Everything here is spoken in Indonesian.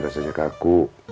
badan saya rasanya kaku